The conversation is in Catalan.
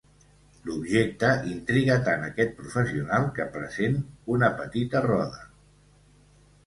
L'objecte intriga tant aquest professional que present una petita roda.